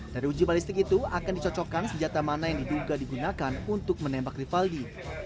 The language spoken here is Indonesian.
dari uji balistik itu akan dicocokkan senjata mana yang diduga digunakan untuk menembak rivaldi